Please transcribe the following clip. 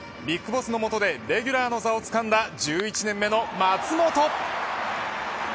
ＢＩＧＢＯＳＳのもとでレギュラーの座をつかんだ１１年目の松本。